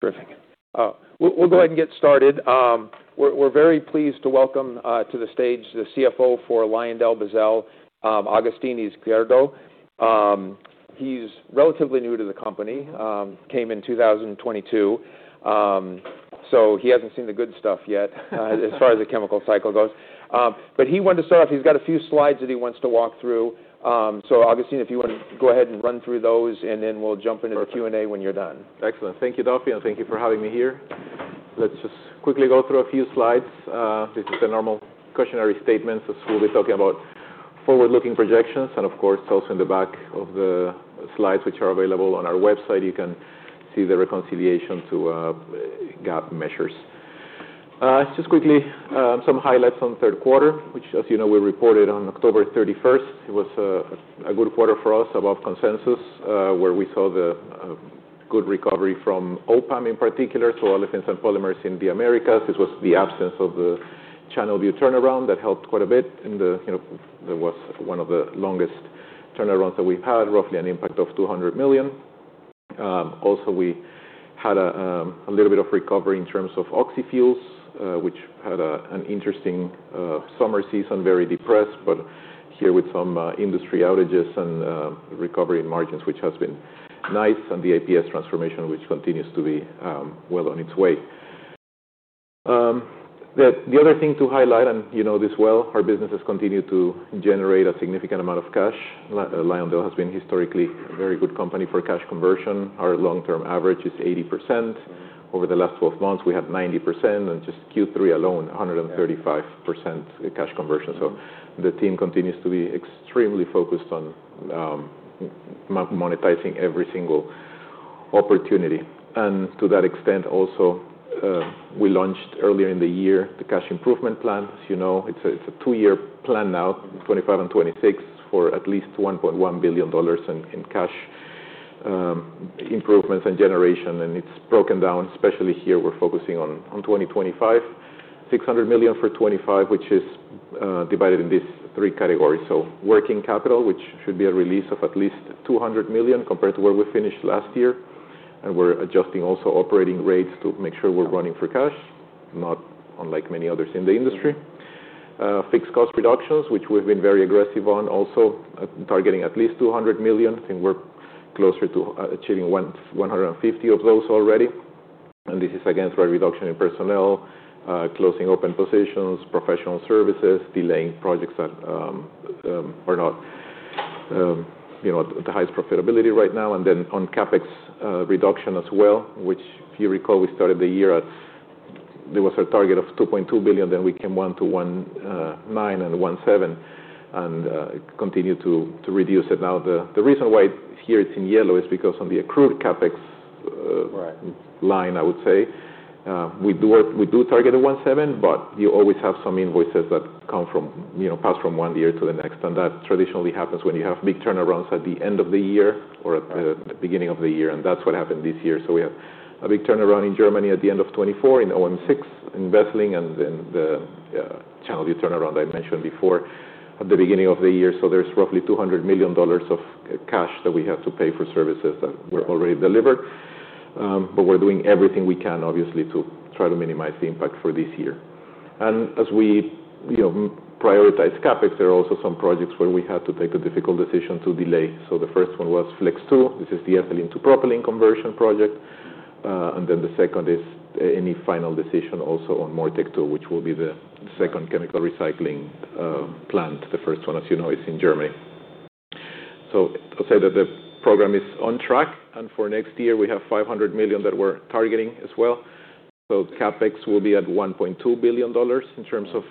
Terrific. We'll go ahead and get started. We're very pleased to welcome to the stage the CFO for LyondellBasell, Agustin Izquierdo. He's relatively new to the company, came in 2022, so he hasn't seen the good stuff yet, as far as the chemical cycle goes. But he wanted to start off. He's got a few slides that he wants to walk through. So Agustin, if you want to go ahead and run through those, and then we'll jump into the Q&A when you're done. Excellent. Thank you, Dafi, and thank you for having me here. Let's just quickly go through a few slides. This is a normal cautionary statement. This is what we'll be talking about: forward-looking projections. And of course, also in the back of the slides, which are available on our website, you can see the reconciliation to GAAP measures. Just quickly, some highlights on third quarter, which, as you know, we reported on October 31st. It was a good quarter for us, above consensus, where we saw the good recovery from OPAM in particular, so olefins and polymers in the Americas. This was the absence of the Channelview turnaround that helped quite a bit in the, you know, that was one of the longest turnarounds that we've had, roughly an impact of $200 million. Also, we had a little bit of recovery in terms of oxyfuels, which had an interesting summer season, very depressed, but here with some industry outages and recovery in margins, which has been nice, and the APS transformation, which continues to be well on its way. The other thing to highlight, and you know this well, our business has continued to generate a significant amount of cash. Lyondell has been historically a very good company for cash conversion. Our long-term average is 80%. Over the last 12 months, we had 90%, and just Q3 alone, 135% cash conversion. So the team continues to be extremely focused on monetizing every single opportunity. And to that extent, also, we launched earlier in the year the cash improvement plan. As you know, it's a two-year plan now, 2025 and 2026, for at least $1.1 billion in cash improvements and generation. It's broken down, especially here. We're focusing on 2025, $600 million for 2025, which is divided in these three categories. Working capital, which should be a release of at least $200 million compared to where we finished last year. We're adjusting operating rates to make sure we're running for cash, not unlike many others in the industry. Fixed cost reductions, which we've been very aggressive on, also targeting at least $200 million. I think we're closer to achieving 1,150 of those already. This is against our reduction in personnel, closing open positions, professional services, delaying projects that are not, you know, at the highest profitability right now. Then on CapEx reduction as well, which, if you recall, we started the year at. There was our target of $2.2 billion. Then we came to 1.9 and 1.7, and continued to reduce it. Now, the reason why here it's in yellow is because on the accrued CapEx line, I would say. We do, we do target at 1.7, but you always have some invoices that come from, you know, pass from one year to the next. And that traditionally happens when you have big turnarounds at the end of the year or at the beginning of the year. And that's what happened this year. So we had a big turnaround in Germany at the end of 2024 in OM6 in Wesseling, and then the Channelview turnaround I mentioned before at the beginning of the year. So there's roughly $200 million of cash that we have to pay for services that were already delivered. But we're doing everything we can, obviously, to try to minimize the impact for this year. And as we, you know, prioritize CapEx, there are also some projects where we had to take a difficult decision to delay. So the first one was Flex-2. This is the ethylene-to-propylene conversion project. And then the second is any final decision also on MoReTec-2, which will be the second chemical recycling plant. The first one, as you know, is in Germany. So I'll say that the program is on track. And for next year, we have $500 million that we're targeting as well. So CapEx will be at $1.2 billion in terms of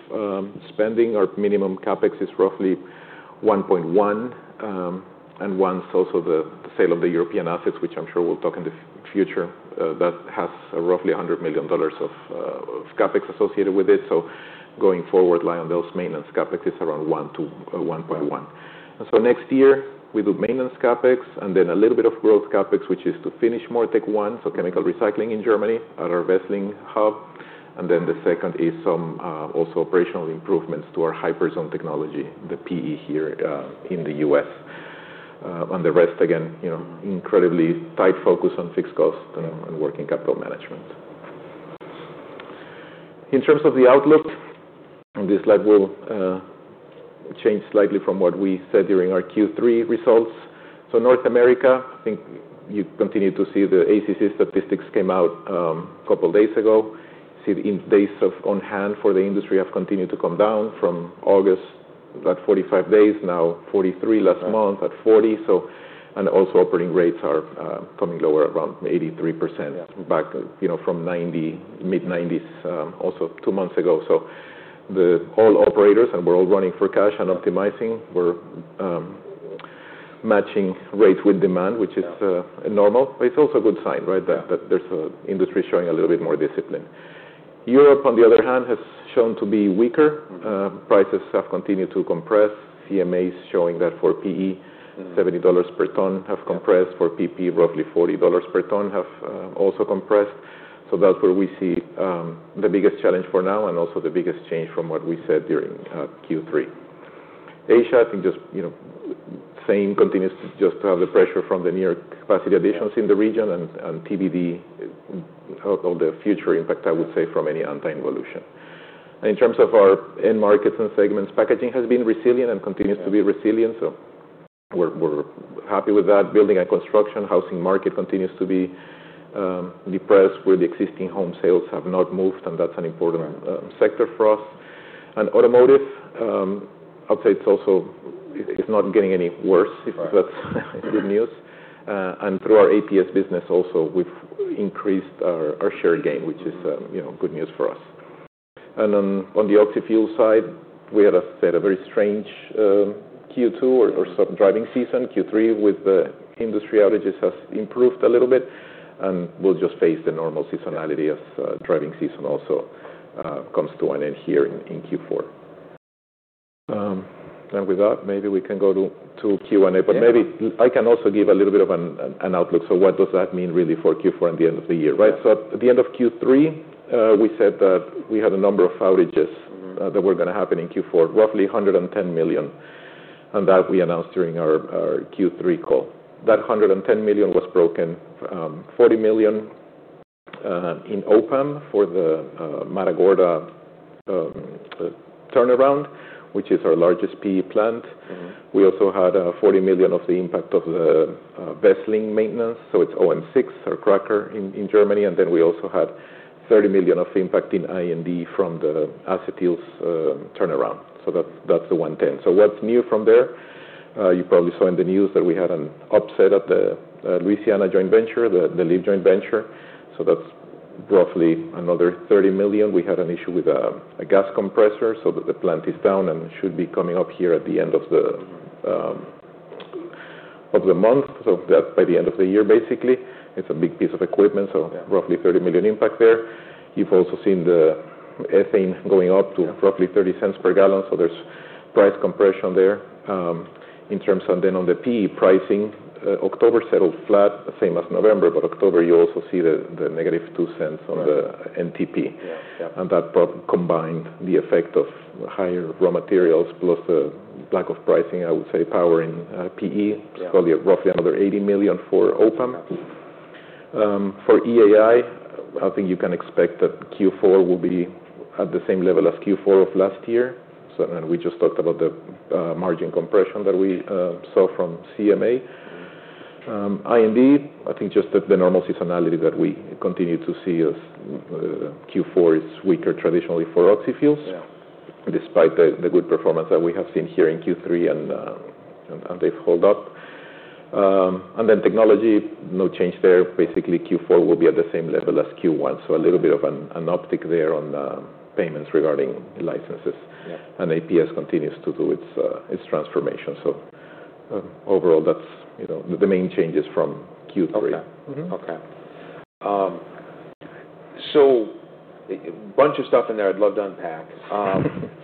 spending. Our minimum CapEx is roughly $1.1 million, and one is also the sale of the European assets, which I'm sure we'll talk in the future, that has roughly $100 million of CapEx associated with it. So going forward, LyondellBasell's maintenance CapEx is around $1 million-$1.1 million. And so next year, we do maintenance CapEx and then a little bit of growth CapEx, which is to finish MoReTec-1, so chemical recycling in Germany at our Wesseling hub. And then the second is some also operational improvements to our Hyperzone technology, the PE here in the U.S., and the rest, again, you know, incredibly tight focus on fixed cost and working capital management. In terms of the outlook, this slide will change slightly from what we said during our Q3 results. So North America, I think you continue to see the ACC statistics came out a couple of days ago. You see the inventory days on hand for the industry have continued to come down from August at 45 days, now 43 days last month at 40 days. And also operating rates are coming lower around 83% back, you know, from 90%, mid-90%s, also two months ago. All operators, and we're all running for cash and optimizing. We're matching rates with demand, which is normal, but it's also a good sign, right, that there's an industry showing a little bit more discipline. Europe, on the other hand, has shown to be weaker. Prices have continued to compress. CMAs showing that for PE, $70 per ton have compressed. For PP, roughly $40 per ton have also compressed. So that's where we see the biggest challenge for now and also the biggest change from what we said during Q3. Asia, I think just, you know, the same continues to just have the pressure from the new capacity additions in the region and TBD, all the future impact, I would say, from any anti-evolution. In terms of our end markets and segments, packaging has been resilient and continues to be resilient. We're happy with that. Building and construction, housing market continues to be depressed where the existing home sales have not moved, and that's an important sector for us. Automotive, I'd say it's also not getting any worse, if that's good news. Through our APS business, also, we've increased our share gain, which is, you know, good news for us. On the oxyfuels side, we had a very strange Q2 or summer driving season. Q3 with the industry outages has improved a little bit, and we'll just face the normal seasonality as driving season also comes to an end here in Q4. And with that, maybe we can go to Q&A, but maybe I can also give a little bit of an outlook. So what does that mean really for Q4 and the end of the year, right? So at the end of Q3, we said that we had a number of outages that were gonna happen in Q4, roughly $110 million, and that we announced during our Q3 call. That $110 million was broken, $40 million, in OPAM for the Matagorda turnaround, which is our largest PE plant. We also had $40 million of the impact of the Wesseling maintenance. So it's OM6 or cracker in Germany. And then we also had $30 million of impact in IND from the acetyls turnaround. So that's the $110. So what's new from there? You probably saw in the news that we had an upset at the Louisiana Joint Venture, the Leap Joint Venture. So that's roughly another $30 million. We had an issue with a gas compressor, so that the plant is down and should be coming up here at the end of the month, so that by the end of the year, basically. It's a big piece of equipment, so roughly $30 million impact there. You've also seen the ethane going up to roughly $0.30 per gallon. So there's price compression there. In terms of then on the PE pricing, October settled flat, same as November, but October, you also see the -$0.02 on the NTP. And that probably combined the effect of higher raw materials plus the lack of pricing, I would say, powering PE. It's probably roughly another $80 million for OPAM. For EAI, I think you can expect that Q4 will be at the same level as Q4 of last year. So then we just talked about the margin compression that we saw from CMA. IND, I think just the normal seasonality that we continue to see as Q4 is weaker traditionally for Oxyfuels, despite the good performance that we have seen here in Q3, and they've held up. And then technology, no change there. Basically, Q4 will be at the same level as Q1. So a little bit of an uptick there on payments regarding licenses. And APS continues to do its transformation. So, overall, that's, you know, the main changes from Q3. Okay. Okay, so a bunch of stuff in there I'd love to unpack.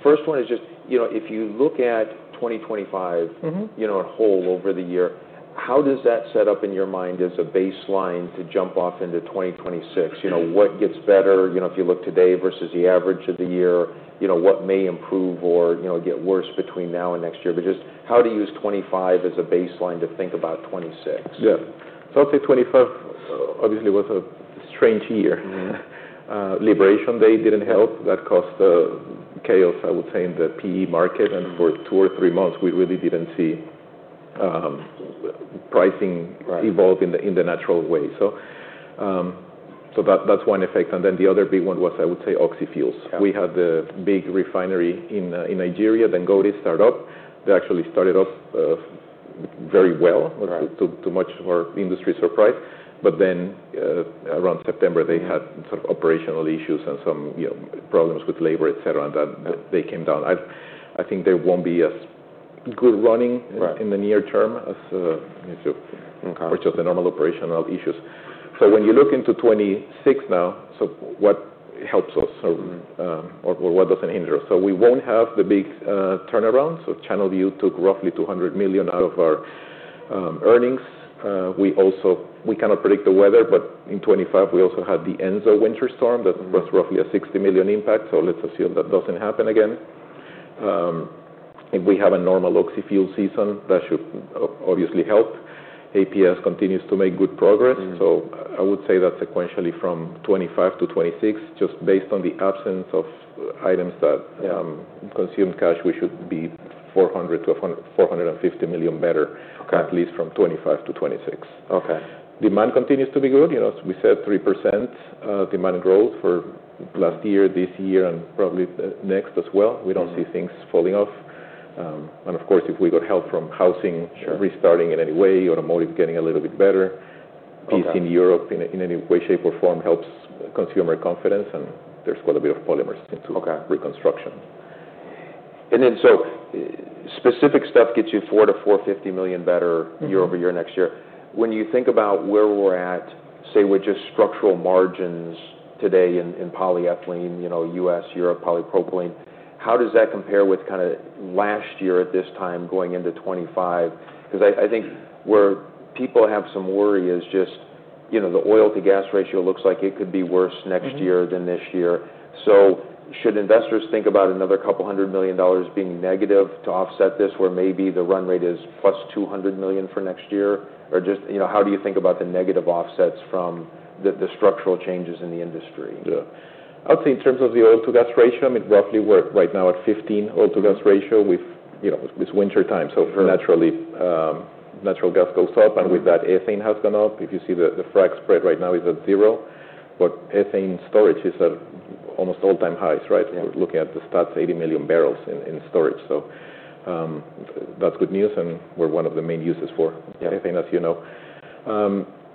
First one is just, you know, if you look at 2025, you know, in whole over the year, how does that set up in your mind as a baseline to jump off into 2026? You know, what gets better, you know, if you look today versus the average of the year, you know, what may improve or, you know, get worse between now and next year, but just how do you use 2025 as a baseline to think about 2026? Yeah. So I'll say 2025, obviously, was a strange year. Liberation Day didn't help. That caused chaos, I would say, in the PE market. And for two or three months, we really didn't see pricing evolve in the natural way. So that, that's one effect. And then the other big one was, I would say, oxyfuels. We had the big refinery in Nigeria, then Dangote started up. They actually started up very well, to much of our industry surprise. But then, around September, they had sort of operational issues and some, you know, problems with labor, etc., and they came down. I think they won't be as good running in the near term as, you know, for just the normal operational issues. So when you look into 2026 now, what helps us or what doesn't hinder us? So we won't have the big turnaround. Channelview took roughly $200 million out of our earnings. We also cannot predict the weather, but in 2025, we also had the Enzo winter storm that was roughly a $60 million impact. So let's assume that doesn't happen again. If we have a normal oxyfuel season, that should obviously help. APS continues to make good progress. So I would say that sequentially from 2025 to 2026, just based on the absence of items that consumed cash, we should be $400 million-$450 million better, at least from 2025 to 2026. Okay. Demand continues to be good. You know, as we said, 3% demand growth for last year, this year, and probably next as well. We don't see things falling off, and of course, if we got help from housing restarting in any way, automotive getting a little bit better, peace in Europe in any way, shape, or form helps consumer confidence, and there's quite a bit of polymers into reconstruction. Specific stuff gets you $400 million-$450 million better year-over-year next year. When you think about where we're at, say, with just structural margins today in polyethylene, you know, U.S., Europe, polypropylene, how does that compare with kind of last year at this time going into 2025? Because I think where people have some worry is just, you know, the oil to gas ratio looks like it could be worse next year than this year. So should investors think about another couple hundred million dollars being negative to offset this, where maybe the run rate is +$200 million for next year, or just, you know, how do you think about the negative offsets from the structural changes in the industry? Yeah. I would say in terms of the oil to gas ratio, I mean, roughly we're right now at 15 oil to gas ratio with, you know, it's wintertime. So naturally, natural gas goes up, and with that, ethane has gone up. If you see the crack spread right now is at zero, but ethane storage is at almost all-time highs, right? We're looking at the stats, 80 million barrels in storage. So, that's good news, and we're one of the main uses for ethane, as you know.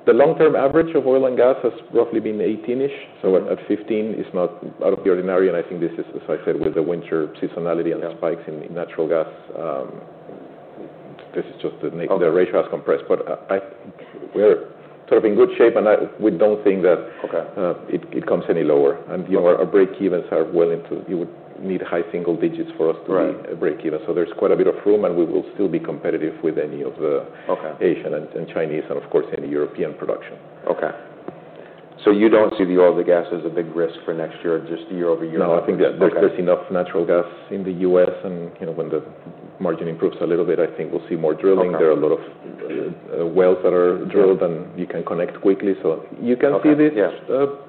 The long-term average of oil and gas has roughly been 18-ish. So at 15 is not out of the ordinary. And I think this is, as I said, with the winter seasonality and spikes in natural gas, this is just the ratio has compressed. But I think we're sort of in good shape, and we don't think that it comes any lower, and you know, our breakevens are well into you would need high single digits for us to be a breakeven. So there's quite a bit of room, and we will still be competitive with any of the Asian and Chinese, and of course, any European production. Okay. So you don't see the oil to gas as a big risk for next year, just year over year? No, I think that there's enough natural gas in the U.S., and, you know, when the margin improves a little bit, I think we'll see more drilling. There are a lot of wells that are drilled, and you can connect quickly. So you can see these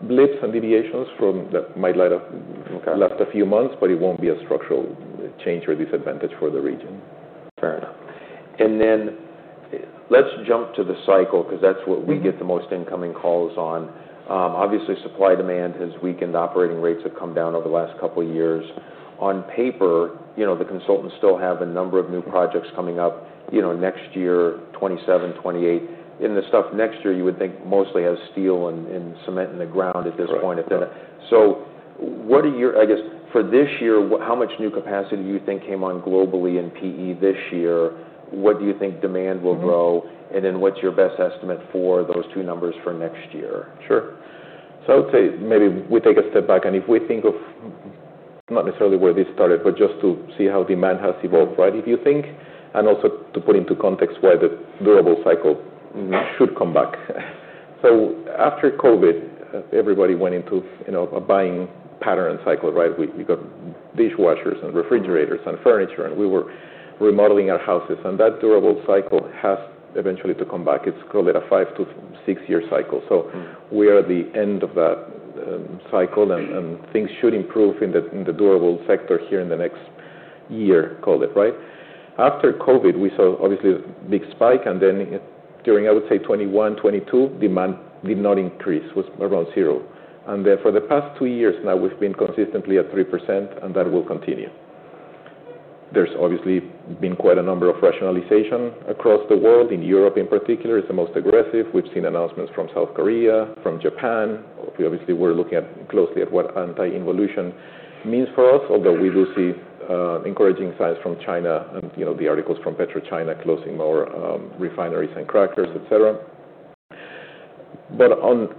blips and deviations from that might last a few months, but it won't be a structural change or disadvantage for the region. Fair. And then let's jump to the cycle, because that's what we get the most incoming calls on. Obviously, supply and demand has weakened. Operating rates have come down over the last couple of years. On paper, you know, the consultants still have a number of new projects coming up, you know, next year, 2027, 2028. And the stuff next year, you would think mostly has steel and cement in the ground at this point. So what are your, I guess, for this year, how much new capacity do you think came on globally in PE this year? What do you think demand will grow? And then what's your best estimate for those two numbers for next year? Sure. So I would say maybe we take a step back, and if we think of not necessarily where this started, but just to see how demand has evolved, right, if you think, and also to put into context why the durable cycle should come back. So after COVID, everybody went into, you know, a buying pattern and cycle, right? We got dishwashers and refrigerators and furniture, and we were remodeling our houses. And that durable cycle has eventually to come back. It's called a five to six-year cycle. So we are at the end of that cycle, and things should improve in the durable sector here in the next year, call it, right? After COVID, we saw obviously a big spike, and then during, I would say, 2021, 2022, demand did not increase, was around zero. And then for the past two years now, we've been consistently at 3%, and that will continue. There's obviously been quite a number of rationalization across the world. In Europe, in particular, it's the most aggressive. We've seen announcements from South Korea, from Japan. We obviously were looking at closely at what anti-involution means for us, although we do see encouraging signs from China and, you know, the articles from PetroChina closing more refineries and crackers, etc. But on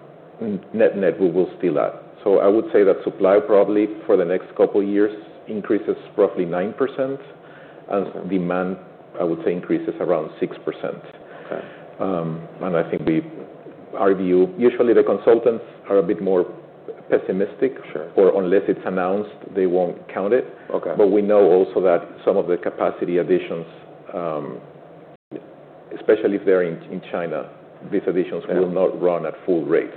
net, net, we will still add. So I would say that supply probably for the next couple of years increases roughly 9%, and demand, I would say, increases around 6%, and I think we argue usually the consultants are a bit more pessimistic, or unless it's announced, they won't count it. We know also that some of the capacity additions, especially if they're in China, these additions will not run at full rates.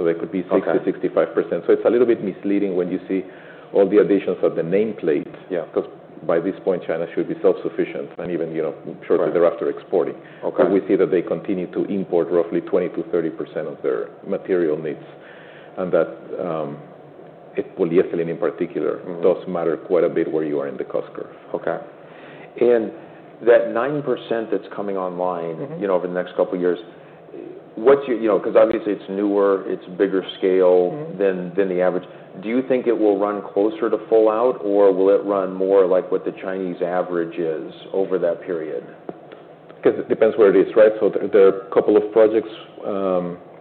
They could be 60%-65%. It's a little bit misleading when you see all the additions of the nameplate, because by this point, China should be self-sufficient and even, you know, shortly thereafter exporting. We see that they continue to import roughly 20%-30% of their material needs, and that polyethylene in particular does matter quite a bit where you are in the cost curve. Okay. That 9% that's coming online, you know, over the next couple of years, what's your, you know, because obviously it's newer, it's bigger scale than the average. Do you think it will run closer to full out, or will it run more like what the Chinese average is over that period? Because it depends where it is, right? So there are a couple of projects,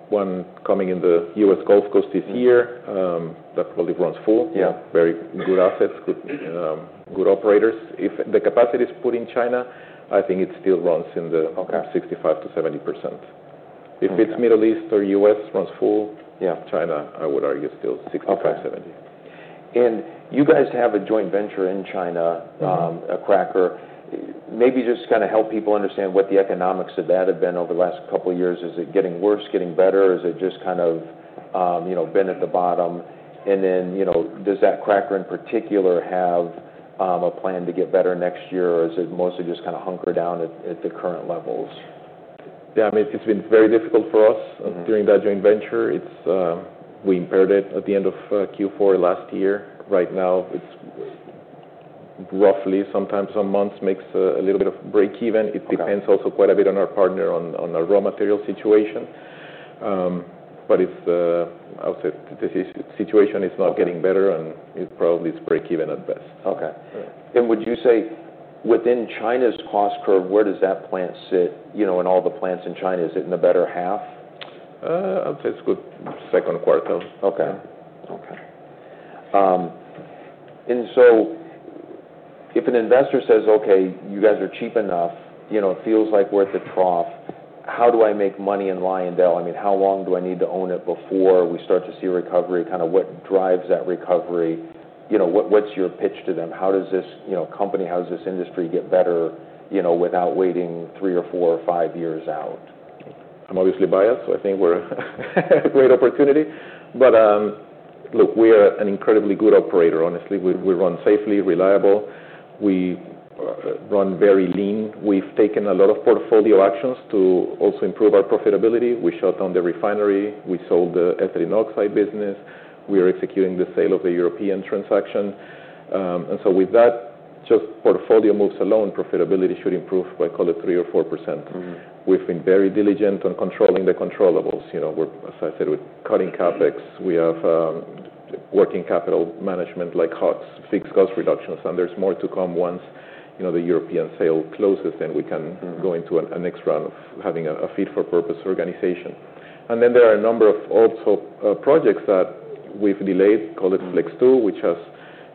one coming in the U.S. Gulf Coast this year, that probably runs full. Very good assets, good, good operators. If the capacity is put in China, I think it still runs in the 65%-70%. If it's Middle East or U.S., runs full. China, I would argue still 65%-70%. Okay. And you guys have a joint venture in China, a cracker. Maybe just kind of help people understand what the economics of that have been over the last couple of years. Is it getting worse, getting better? Is it just kind of, you know, been at the bottom? And then, you know, does that cracker in particular have a plan to get better next year, or is it mostly just kind of hunkered down at the current levels? Yeah, I mean, it's been very difficult for us during that joint venture. It's, we impaired it at the end of Q4 last year. Right now, it's roughly sometimes some months makes a little bit of breakeven. It depends also quite a bit on our partner on, on our raw material situation. But it's, I would say the situation is not getting better, and it probably is breakeven at best. Okay. And would you say within China's cost curve, where does that plant sit, you know, in all the plants in China? Is it in the better half? I'd say it's good second quarter. Okay. So if an investor says, "Okay, you guys are cheap enough, you know, it feels like we're at the trough. How do I make money in Lyondell? I mean, how long do I need to own it before we start to see recovery? Kind of, what drives that recovery? You know, what's your pitch to them? How does this, you know, company, how does this industry get better, you know, without waiting three or four or five years out? I'm obviously biased, so I think we're a great opportunity. But look, we are an incredibly good operator, honestly. We run safely, reliably. We run very lean. We've taken a lot of portfolio actions to also improve our profitability. We shut down the refinery. We sold the ethylene oxide business. We are executing the sale of the European operations, and so with that, just portfolio moves alone, profitability should improve by, call it, 3% or 4%. We've been very diligent on controlling the controllables. You know, as I said, we're cutting CapEx. We have working capital management like nuts, fixed cost reductions. And there's more to come once, you know, the European sale closes, then we can go into a next round of having a fit-for-purpose organization. And then there are a number of also projects that we've delayed, call it Flex-2, which has,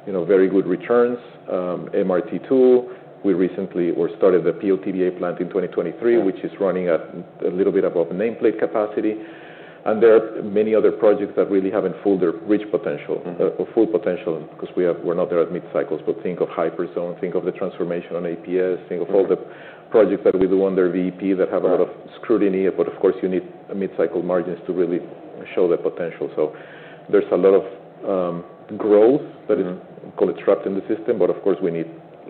you know, very good returns. MRT-2, we recently started the POTBA plant in 2023, which is running at a little bit above nameplate capacity. And there are many other projects that really haven't fully reached potential, full potential, because we have, we're not there at mid-cycles. But think of Hyperzone, think of the transformation on APS, think of all the projects that we do under VEP that have a lot of scrutiny. But of course, you need mid-cycle margins to really show the potential. So there's a lot of growth that is, call it, trapped in the system. But of course, we need,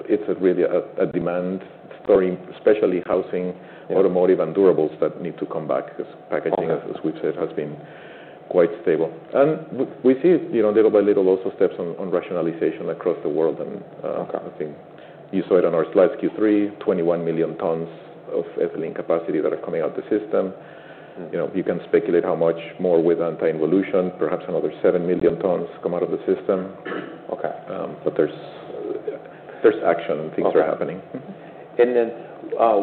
it's really a demand story, especially housing, automotive, and durables that need to come back, because packaging, as we've said, has been quite stable. We see, you know, little by little, also steps on, on rationalization across the world. I think you saw it on our slides, Q3, 21 million tons of ethylene capacity that are coming out of the system. You know, you can speculate how much more with anti-involution, perhaps another seven million tons come out of the system. But there's action and things are happening. And then,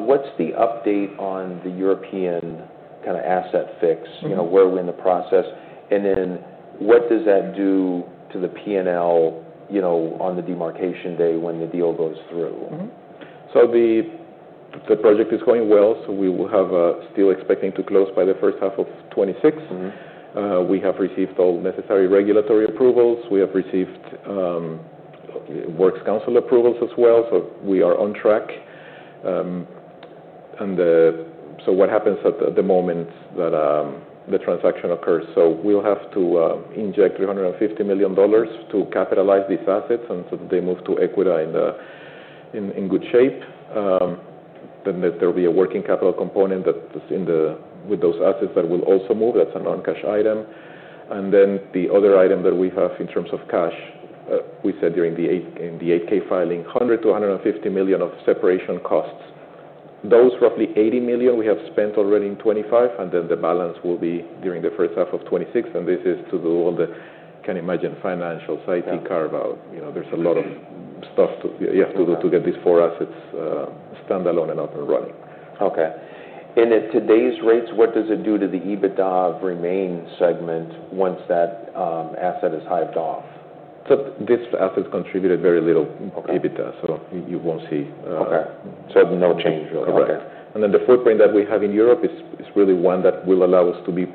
what's the update on the European kind of asset fix? You know, we're in the process. And then what does that do to the P&L, you know, on the demarcation day when the deal goes through? The project is going well, so we are still expecting to close by the first half of 2026. We have received all necessary regulatory approvals. We have received works council approvals as well. We are on track. What happens at the moment the transaction occurs? We'll have to inject $350 million to capitalize these assets and so that they move to equity in good shape. There'll be a working capital component that's in with those assets that will also move. That's a non-cash item. The other item that we have in terms of cash, we said during the 8-K filing, $100 million-$150 million of separation costs. Those roughly $80 million we have spent already in 2025, and the balance will be during the first half of 2026. This is to do all the you can imagine financials, IT carve-out. You know, there's a lot of stuff you have to do to get these four assets stand-alone and up and running. Okay. And at today's rates, what does it do to the EBITDA of remaining segment once that asset is hived off? This asset has contributed very little EBITDA, so you won't see. Okay. So no change really? Correct. And then the footprint that we have in Europe is really one that will allow us to be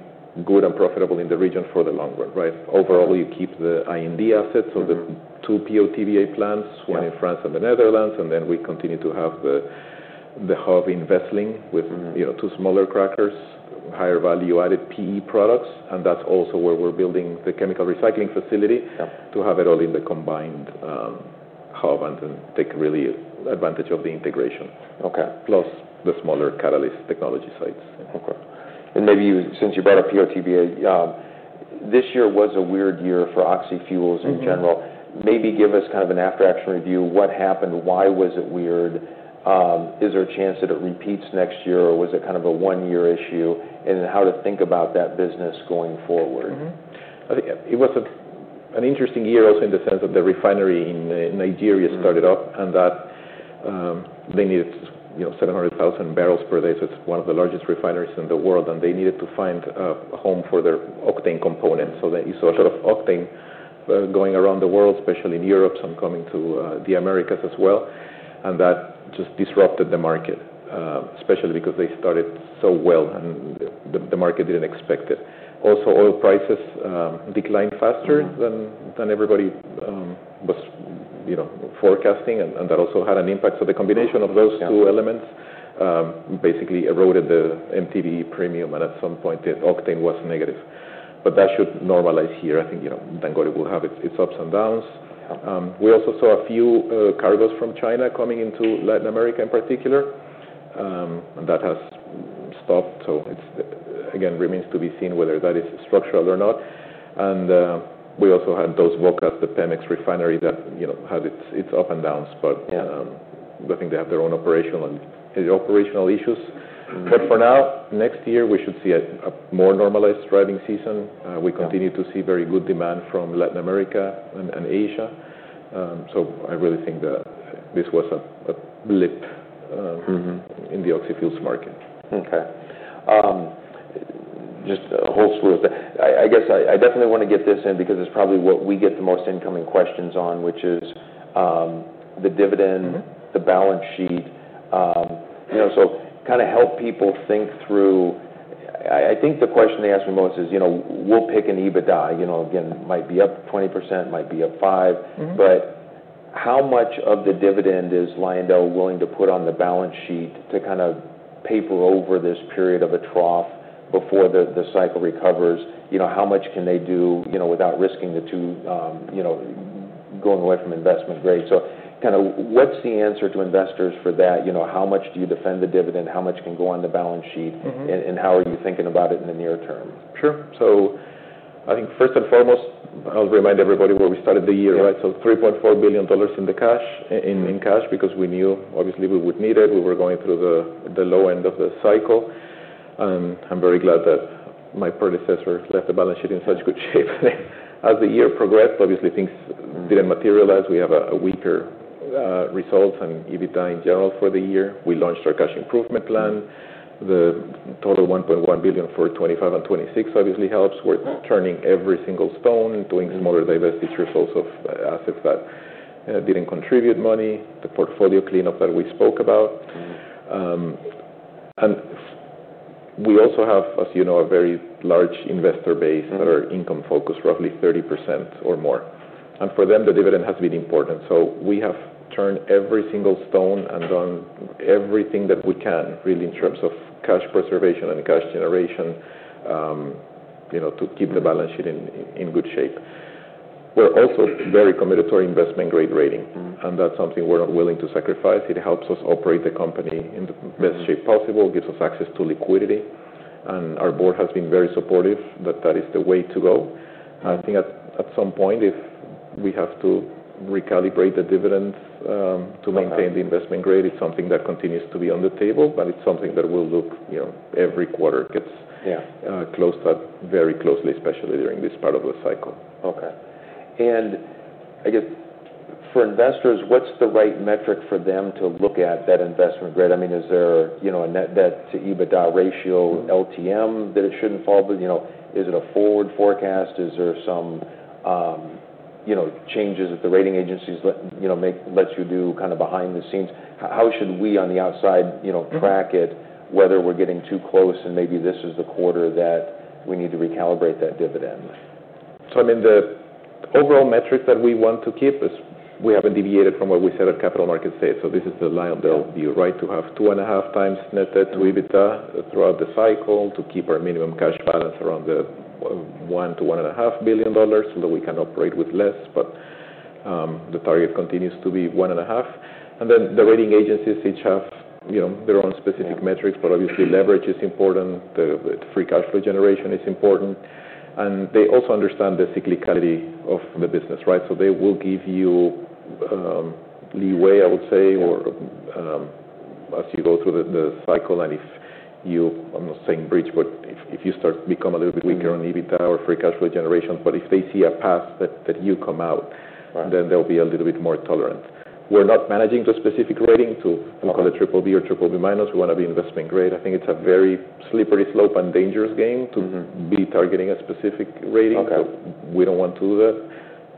good and profitable in the region for the long run, right? Overall, you keep the IND assets, so the two POTBA plants, one in France and the Netherlands, and then we continue to have the hub in Wesseling with, you know, two smaller crackers, higher value-added PE products. And that's also where we're building the chemical recycling facility to have it all in the combined hub and then take real advantage of the integration, plus the smaller catalyst technology sites. Okay. And maybe you, since you brought up POTBA, this year was a weird year for oxy fuels in general. Maybe give us kind of an after-action review. What happened? Why was it weird? Is there a chance that it repeats next year, or was it kind of a one-year issue? And then how to think about that business going forward? I think it was an interesting year also in the sense that the refinery in Nigeria started up and that they needed, you know, 700,000 barrels per day. So it's one of the largest refineries in the world, and they needed to find a home for their octane component. They saw a lot of octane going around the world, especially in Europe and coming to the Americas as well. That just disrupted the market, especially because they started so well and the market didn't expect it. Oil prices declined faster than everybody was, you know, forecasting. That also had an impact. The combination of those two elements basically eroded the MTBE premium, and at some point, the octane was negative. That should normalize here. I think, you know, Dangote will have its ups and downs. We also saw a few cargoes from China coming into Latin America in particular, and that has stopped. So it's again remains to be seen whether that is structural or not. And we also had Dos Bocas, the Pemex refinery that, you know, had its ups and downs, but I think they have their own operational issues. But for now, next year, we should see a more normalized driving season. We continue to see very good demand from Latin America and Asia. So I really think that this was a blip in the oxyfuels market. Okay. Just a whole slew of stuff. I guess I definitely want to get this in because it's probably what we get the most incoming questions on, which is the dividend, the balance sheet. You know, so kind of help people think through. I think the question they ask me most is, you know, we'll pick an EBITDA, you know, again, might be up 20%, might be up 5%. But how much of the dividend is LyondellBasell willing to put on the balance sheet to kind of paper over this period of a trough before the cycle recovers? You know, how much can they do, you know, without risking the two, you know, going away from investment grade? So kind of what's the answer to investors for that? You know, how much do you defend the dividend? How much can go on the balance sheet? How are you thinking about it in the near term? Sure. So I think first and foremost, I'll remind everybody where we started the year, right? So $3.4 billion in cash, because we knew obviously we would need it. We were going through the low end of the cycle, and I'm very glad that my predecessor left the balance sheet in such good shape. As the year progressed, obviously things didn't materialize. We have weaker results and EBITDA in general for the year. We launched our cash improvement plan. The total $1.1 billion for 2025 and 2026 obviously helps. We're turning every single stone, doing smaller divestitures of assets that didn't contribute money, the portfolio cleanup that we spoke about, and we also have, as you know, a very large investor base that are income focused, roughly 30% or more, and for them, the dividend has been important. So we have turned every single stone and done everything that we can really in terms of cash preservation and cash generation, you know, to keep the balance sheet in good shape. We're also very committed to our investment grade rating, and that's something we're willing to sacrifice. It helps us operate the company in the best shape possible, gives us access to liquidity. And our board has been very supportive that that is the way to go. I think at some point, if we have to recalibrate the dividends, to maintain the investment grade, it's something that continues to be on the table, but it's something that will look, you know, every quarter gets closed up very closely, especially during this part of the cycle. Okay. And I guess for investors, what's the right metric for them to look at that investment grade? I mean, is there, you know, a net debt to EBITDA ratio LTM that it shouldn't fall? But, you know, is it a forward forecast? Is there some, you know, changes that the rating agencies, you know, make, let you do kind of behind the scenes? How should we on the outside, you know, track it, whether we're getting too close and maybe this is the quarter that we need to recalibrate that dividend? So I mean, the overall metric that we want to keep is we haven't deviated from what we said at capital markets day. So this is the LyondellBasell view, right? To have two and a half times net debt to EBITDA throughout the cycle to keep our minimum cash balance around the $1 billion-$1.5 billion so that we can operate with less. But the target continues to be $1.5 billion. And then the rating agencies each have, you know, their own specific metrics, but obviously leverage is important. The free cash flow generation is important. And they also understand the cyclicality of the business, right? So they will give you leeway, I would say, or, as you go through the cycle. If you, I'm not saying breach, but if you start becoming a little bit weaker on EBITDA or free cash flow generation, but if they see a path that you come out, then they'll be a little bit more tolerant. We're not managing the specific rating to, I'll call it, triple B or triple B minus. We want to be investment grade. I think it's a very slippery slope and dangerous game to be targeting a specific rating. So we don't want to do that.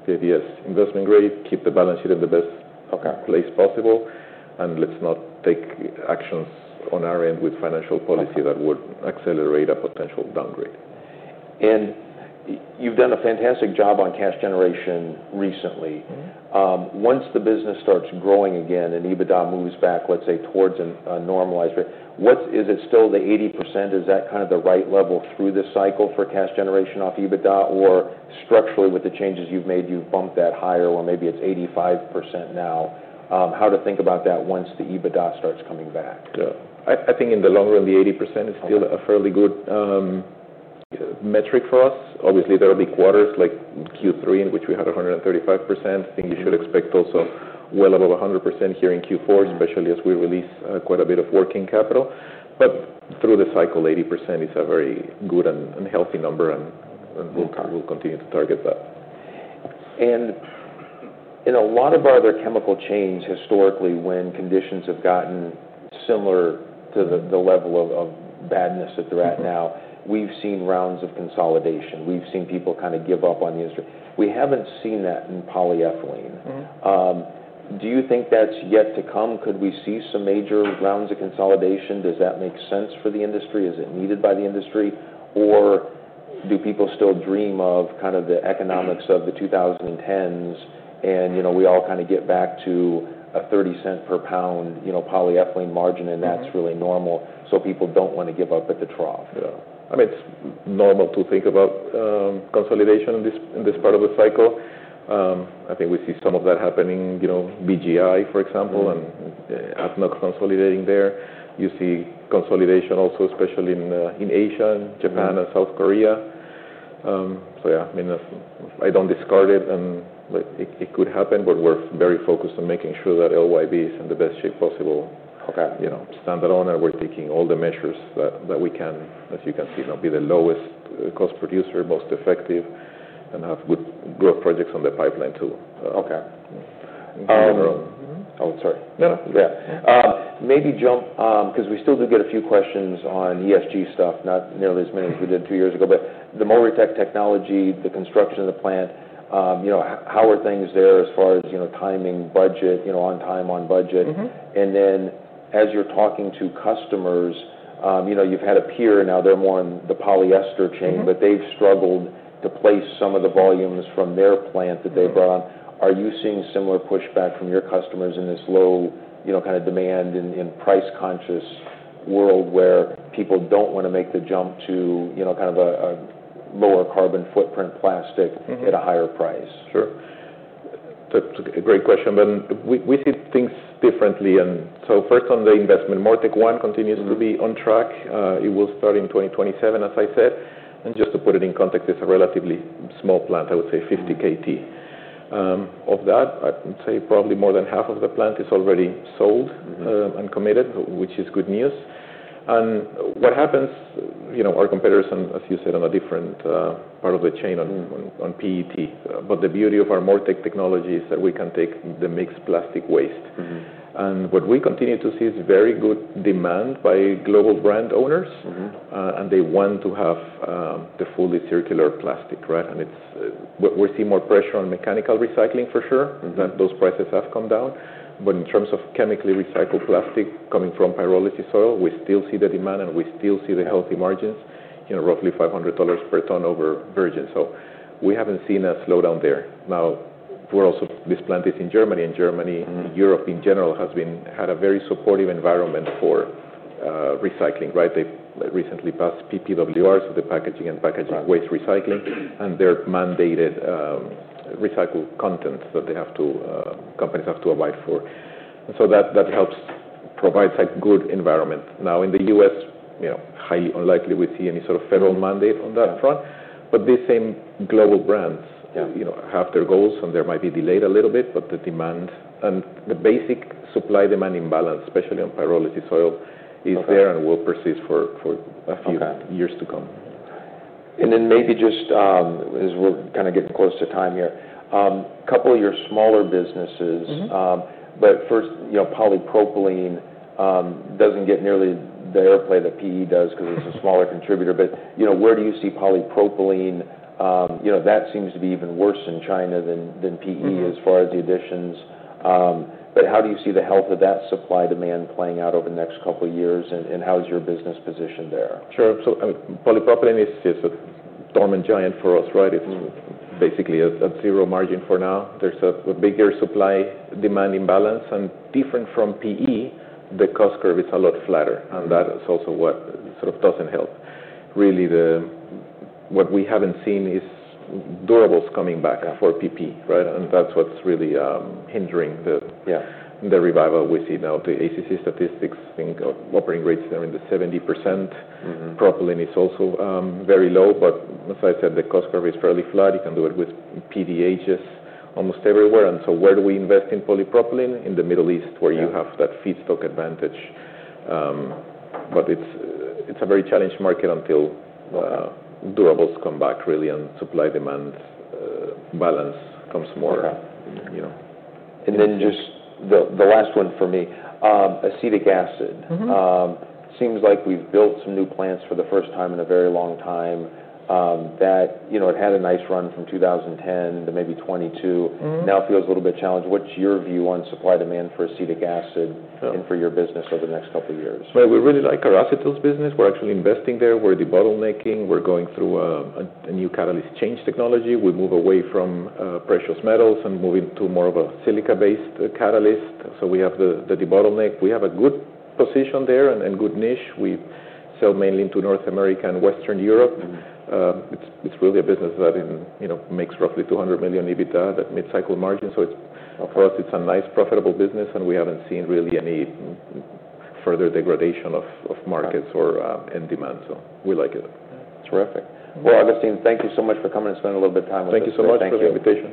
The idea is investment grade, keep the balance sheet in the best place possible, and let's not take actions on our end with financial policy that would accelerate a potential downgrade. You've done a fantastic job on cash generation recently. Once the business starts growing again and EBITDA moves back, let's say, towards a normalized rate, what's it still the 80%? Is that kind of the right level through this cycle for cash generation off EBITDA? Or structurally, with the changes you've made, you've bumped that higher, or maybe it's 85% now. How to think about that once the EBITDA starts coming back? Yeah. I think in the long run, the 80% is still a fairly good, metric for us. Obviously, there will be quarters like Q3, in which we had 135%. I think you should expect also well above 100% here in Q4, especially as we release quite a bit of working capital. But through the cycle, 80% is a very good and healthy number, and we'll continue to target that. And in a lot of other chemical chains, historically, when conditions have gotten similar to the level of badness that they're at now, we've seen rounds of consolidation. We've seen people kind of give up on the industry. We haven't seen that in polyethylene. Do you think that's yet to come? Could we see some major rounds of consolidation? Does that make sense for the industry? Is it needed by the industry? Or do people still dream of kind of the economics of the 2010s? And, you know, we all kind of get back to a $0.30 per pound, you know, polyethylene margin, and that's really normal. So people don't want to give up at the trough. Yeah. I mean, it's normal to think about consolidation in this part of the cycle. I think we see some of that happening, you know, BGI, for example, and ADNOC consolidating there. You see consolidation also, especially in Asia, Japan, and South Korea. So yeah, I mean, I don't discard it, and it could happen, but we're very focused on making sure that LYB is in the best shape possible. Okay. You know, stand alone, and we're taking all the measures that we can, as you can see, you know, be the lowest cost producer, most effective, and have good growth projects on the pipeline too. Okay. oh, sorry. No, no. Yeah, maybe jump, because we still do get a few questions on ESG stuff, not nearly as many as we did two years ago, but the MoReTec technology, the construction of the plant, you know, how are things there as far as, you know, timing, budget, you know, on time, on budget, and then as you're talking to customers, you know, you've had a peer now, they're more in the polyester chain, but they've struggled to place some of the volumes from their plant that they brought on. Are you seeing similar pushback from your customers in this low, you know, kind of demand and price-conscious world where people don't want to make the jump to, you know, kind of a lower carbon footprint plastic at a higher price? Sure. That's a great question, but we see things differently and so first on the investment, MoReTec One continues to be on track. It will start in 2027, as I said and just to put it in context, it's a relatively small plant, I would say 50 KT of that, I would say probably more than half of the plant is already sold and committed, which is good news and what happens, you know, our competitors, as you said, on a different part of the chain on PET. But the beauty of our MoReTec technology is that we can take the mixed plastic waste and what we continue to see is very good demand by global brand owners, and they want to have the fully circular plastic, right? And we see more pressure on mechanical recycling, for sure. Those prices have come down. But in terms of chemically recycled plastic coming from pyrolysis oil, we still see the demand, and we still see the healthy margins, you know, roughly $500 per ton over virgin. So we haven't seen a slowdown there. Now, we're also; this plant is in Germany, and Germany, Europe in general, has had a very supportive environment for recycling, right? They recently passed PPWR, so the Packaging and Packaging Waste Regulation, and they're mandating recycled contents that companies have to abide by. And so that helps provide a good environment. Now, in the U.S., you know, highly unlikely we see any sort of federal mandate on that front. But these same global brands, you know, have their goals, and there might be delayed a little bit, but the demand and the basic supply-demand imbalance, especially on pyrolysis oil, is there and will persist for a few years to come. Then maybe just, as we're kind of getting close to time here, a couple of your smaller businesses. But first, you know, polypropylene doesn't get nearly the airplay that PE does because it's a smaller contributor. But, you know, where do you see polypropylene? You know, that seems to be even worse in China than PE as far as the additions. But how do you see the health of that supply-demand playing out over the next couple of years, and how is your business positioned there? Sure. So polypropylene is a dormant giant for us, right? It's basically at zero margin for now. There's a bigger supply-demand imbalance, and different from PE, the cost curve is a lot flatter, and that's also what sort of doesn't help. Really, what we haven't seen is durables coming back for PP, right? And that's what's really hindering the revival we see now. The ACC statistics think operating rates are in the 70%. Propylene is also very low, but as I said, the cost curve is fairly flat. You can do it with PDHs almost everywhere. And so where do we invest in polypropylene? In the Middle East, where you have that feedstock advantage, but it's a very challenged market until durables come back, really, and supply-demand balance comes more, you know. And then just the last one for me, acetic acid. Seems like we've built some new plants for the first time in a very long time. That, you know, it had a nice run from 2010 to maybe 2022. Now feels a little bit challenged. What's your view on supply-demand for acetic acid and for your business over the next couple of years? We really like our acetyls business. We're actually investing there. We're debottlenecking. We're going through a new catalyst change technology. We move away from precious metals and move into more of a silica-based catalyst. We have the debottleneck. We have a good position there and good niche. We sell mainly to North America and Western Europe. It's really a business that, you know, makes roughly $200 million EBITDA at mid-cycle margin. For us, it's a nice profitable business, and we haven't seen really any further degradation of markets or demand. We like it. Terrific. Well, Agustin, thank you so much for coming and spending a little bit of time with us. Thank you so much. Thanks for the invitation.